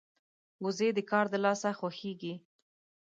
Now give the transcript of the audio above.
وزې د کار د لاسه خوښيږي